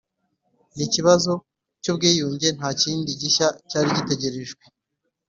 n ikibazo cy ubwiyunge nta kintu gishya cyari gitegerejwe